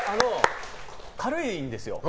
軽いんですよ。